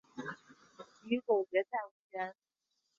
与总决赛无缘。